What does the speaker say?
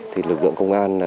thì lực lượng công an